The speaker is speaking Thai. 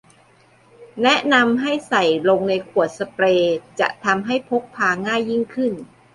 แนะนำให้ใส่ลงในขวดสเปรย์จะทำให้พกพาง่ายยิ่งขึ้น